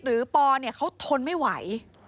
หรือปอเนี่ยเขาทนไม่ไหว